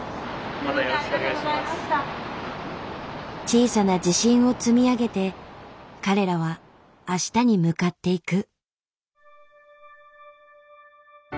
小さな自信を積み上げて彼らは明日に向かっていく。